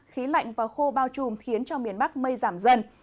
khí lạnh và khô bao trùm khiến cho miền bắc mây giảm dần